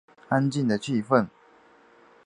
安静的气氛